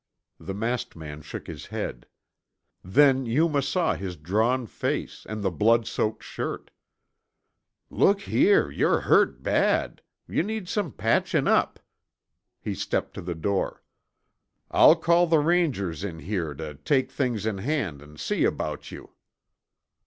The masked man shook his head. Then Yuma saw his drawn face and the blood soaked shirt. "Look here, yore hurt bad. Yuh need some patchin' up." He stepped to the door. "I'll call the Rangers in here tuh take things in hand an' see about you."